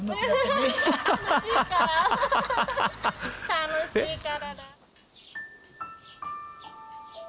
楽しいからだ。